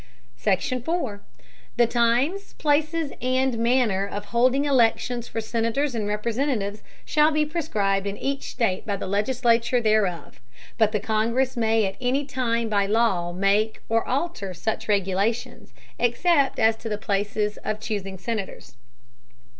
SECTION. 4. The Times, Places and Manner of holding Elections for Senators and Representatives, shall be prescribed in each State by the Legislature thereof; but the Congress may at any time by Law make or alter such Regulations, except as to the Places of chusing Senators.